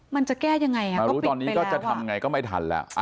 มันจะแก้ยังไงฮะก็ปิดไปแล้ววะมารู้ตอนนี้ก็จะทำยังไงก็ไม่ทันล่ะ